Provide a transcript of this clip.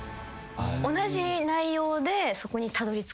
同じ内容でそこにたどりつくんですか？